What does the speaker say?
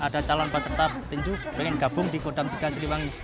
ada calon pasok pasok tinju ingin gabung di kodam tiga siliwangi